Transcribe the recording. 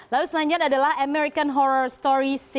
lalu selanjutnya adalah american horror story enam